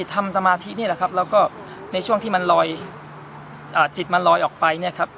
ทำสมาธินี่แหละครับแล้วก็ในช่วงที่จิตมันลอยออกไป